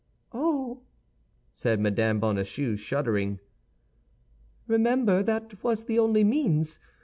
"Oh!" said Mme. Bonacieux, shuddering. "Remember, that was the only means.